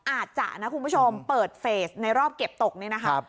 อาจจะนะคุณผู้ชมเปิดเฟสในรอบเก็บตกนี่นะครับ